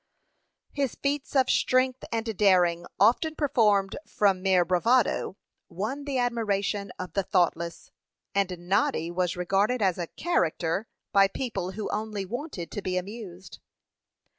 His feats of strength and daring, often performed from mere bravado, won the admiration of the thoughtless, and Noddy was regarded as a "character" by people who only wanted to be amused.